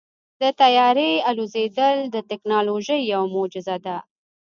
د طیارې الوزېدل د تیکنالوژۍ یوه معجزه ده.